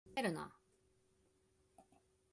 ふざけるな